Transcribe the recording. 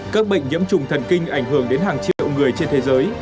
các bệnh nhiễm trùng thần kinh ảnh hưởng đến hàng triệu người trên thế giới